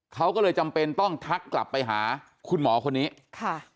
เขาก็เลยจำเป็นต้องทักกลับไปหาคุณหมอคนนี้ค่ะ